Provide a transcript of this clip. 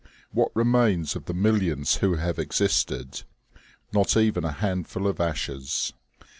What remains of the millions who have existed ? Not even a handful of ashes.